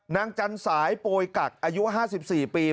จันสายโปรยกักอายุ๕๔ปี